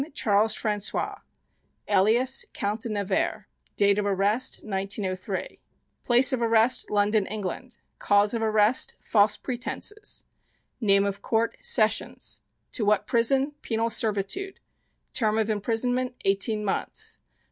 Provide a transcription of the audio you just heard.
Name........................Charles François Alias.......................Count de Nevers Date of Arrest..............1903 Place of Arrest.............London, England Cause of Arrest.............False Pretenses Name of Court...............Sessions To what Prison..............Penal Servitude Term of Imprisonment........Eighteen months.